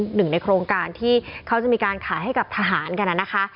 หนึ่งในโครงการที่เขาจะมีการขายให้กับทหารกันนะคะ